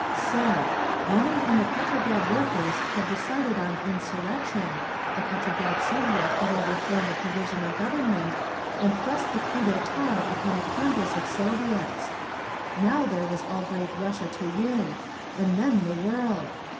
So. Lenin and the Petrograd workers had decided on insurrection, the Petrograd Soviet had overthrown the Provisional Government, and thrust the coup d'etat upon the Congress of Soviets. Now there was all great Russia to win—and then the world!